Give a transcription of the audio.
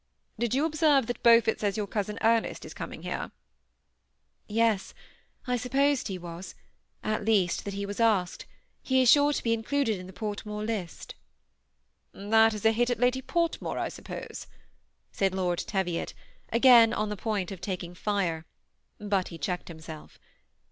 *'Did you observe that Beaufort says your cousin Ernest is coming here?" "Yes, I supposed he was — at least, that he was asked; he is sure to be included in the Portmore list" " That is a hit at Lady Portmore, I suppose," said Lord Teviot, again on the point of taking fire ; but he checked himself.